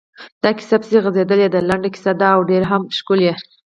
دا کیسه پسې غځېدلې ده، لنډه کیسه ده او ډېره هم ښکلې…